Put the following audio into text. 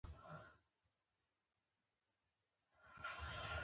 خپلو اولادونو ته همیشه قلم او کتابچه په سوغات کي ورکړئ.